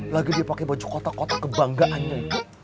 lagi dia pake baju kotak kotak kebanggaannya itu